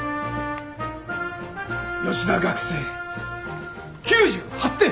吉田学生９８点！